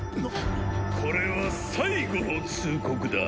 これは最後の通告だ。